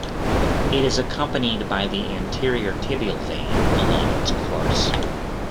It is accompanied by the anterior tibial vein, along its course.